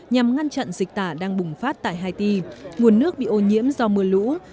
nhằm ngăn chặn dịch tả đang bùng phát tại haiti nguồn nước bị ô nhiễm do mưa lũ